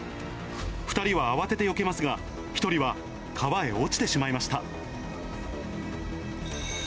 ２人は慌ててよけますが、１人は川へ落ちてしまいました。